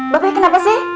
babe kenapa sih